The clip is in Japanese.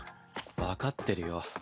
分かってるよ。